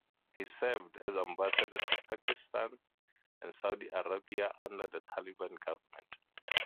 He served as ambassador to Pakistan and Saudi Arabia under the Taliban government.